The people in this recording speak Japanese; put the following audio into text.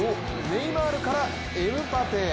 ネイマールから、エムバペ。